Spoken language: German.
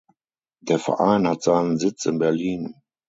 Der Verein hat seinen Sitz in Berlin.